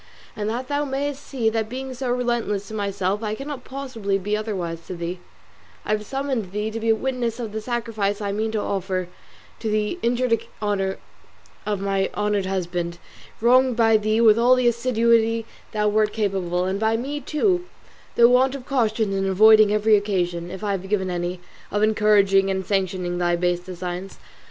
And that thou mayest see that being so relentless to myself I cannot possibly be otherwise to thee, I have summoned thee to be a witness of the sacrifice I mean to offer to the injured honour of my honoured husband, wronged by thee with all the assiduity thou wert capable of, and by me too through want of caution in avoiding every occasion, if I have given any, of encouraging and sanctioning thy base designs.